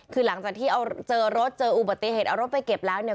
คือหลังจากที่เอาเจอรถเจออุบัติเหตุเอารถไปเก็บแล้วเนี่ย